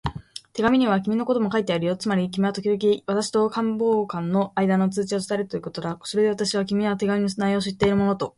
手紙には君のことも書いてあるよ。つまり君はときどき私と官房長とのあいだの通知を伝えるということだ。それで私は、君が手紙の内容を知っているものと